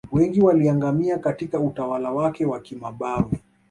wengi waliangamia Katika utawala wake wa kimabavu